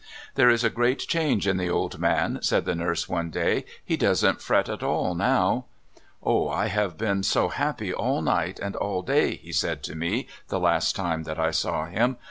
" There's a great change in the old man," said the nurse one day; '* he doesn't fret at all now." " O I have been so happy all night and all day I " he said to me the last time that I saw him.